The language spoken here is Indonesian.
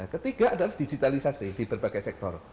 ketiga adalah digitalisasi di berbagai sektor